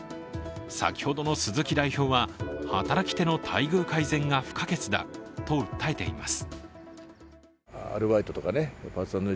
先ほどの鈴木代表は、働き手の待遇改善が不可欠だと訴えています。